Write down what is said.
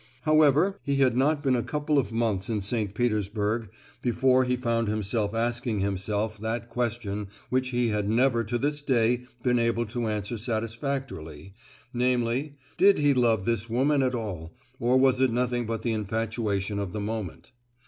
However, he had not been a couple of months in St. Petersburg before he found himself asking himself that question which he had never to this day been able to answer satisfactorily, namely, "Did he love this woman at all, or was it nothing but the infatuation of the moment?"